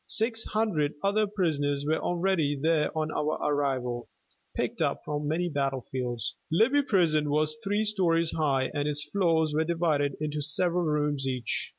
Six hundred other prisoners were already there on our arrival, picked up from many battlefields. Libby Prison was three stories high and its floors were divided into several rooms each.